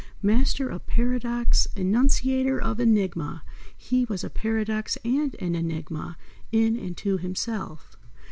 Master of paradox, enunciator of enigma, he was a paradox and an enigma in, and to, himself.